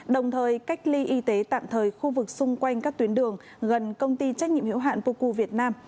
đồng thời cách ly y tế tạm thời khu vực xung quanh các tuyến đường gần công ty trách nhiệm hiệu hạn poku việt nam